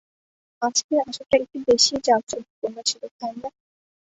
আজকের আসরটা একটু বেশিই জাঁকজমকপূর্ণ ছিল, তাই না?